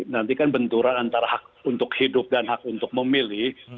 nanti kan benturan antara hak untuk hidup dan hak untuk memilih